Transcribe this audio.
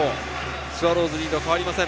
スワローズリード変わりません。